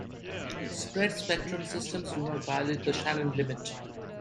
Spread spectrum systems do not violate the Shannon limit.